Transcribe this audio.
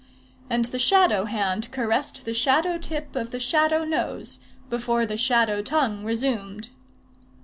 And the shadow hand caressed the shadow tip of the shadow nose, before the shadow tongue resumed.